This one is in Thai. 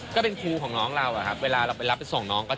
พอคุณครูเขาก็ได้ไปด้วยกันนะเหมือนเราก็เป็นโฮสต์